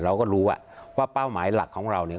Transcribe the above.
เราก็รู้ว่าเป้าหมายหลักของเราเนี่ย